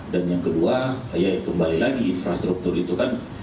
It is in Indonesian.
dan yang kedua ya kembali lagi infrastruktur itu kan